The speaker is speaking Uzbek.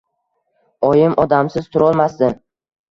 Oyim odamsiz turolmasdi.